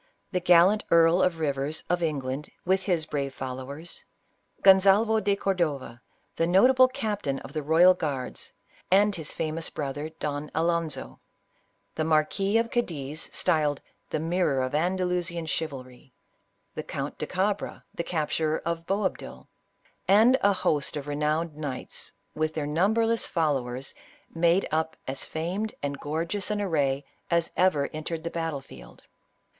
The gallant Earl of Rivers, of England, with his brave followers ; Gonsalvo de Cordova, the notable captain of the royal guards, and his famous brother Don Alonzo ; the Marquis of Cadiz, styled " the Mirror of Andalusian Chivalry ;" the Count de Cabra, the capturer of Boabdil, and a host of renowned knights, with their numberless fol lowers, made up as famed and gorgeous an array as ever entered the battle field.